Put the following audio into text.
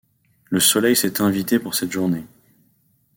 le soleil s'est invité pour cette journée